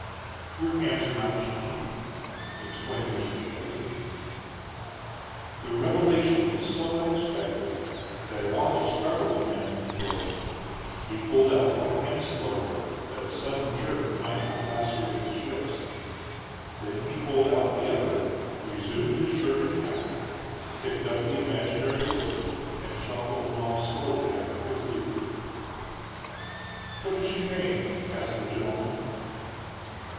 "Your hands are not chained," explained Mr. Clayton. The revelation was so unexpected that it almost startled the man from Georgia. He pulled out one hand slowly, that a sudden jerk might not lacerate his wrist. Then he pulled out the other, resumed his shirt and hat, picked up the imaginary weight, and shuffled along slowly after his leader. "What is your name?" asked the gentleman.